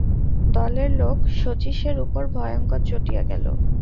দলের লোক শচীশের উপর ভয়ংকর চটিয়া গেল।